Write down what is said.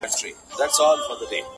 ګدایان پر خزانو سول جاهلان پر منبرونو!!